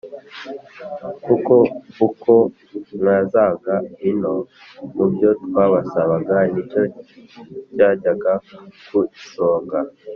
kuko uko mwazaga ino, mu byo twabasabaga nicyo cyajyaga kuisonga,